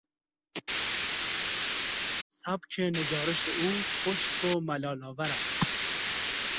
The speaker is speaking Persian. سبک نگارش او خشک و ملالآور است.